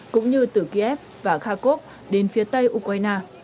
cũng như từ kiev và kharkov đến phía tây ukraine